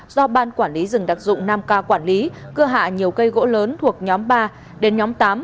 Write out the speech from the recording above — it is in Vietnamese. do ban quản lý rừng đặc dụng nam ca quản lý cưa hạ nhiều cây gỗ lớn thuộc nhóm ba đến nhóm tám